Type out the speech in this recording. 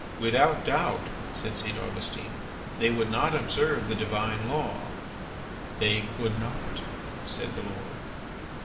"Without doubt," said St. Augustine, "they would not observe the divine law." "They could not," said the Lord.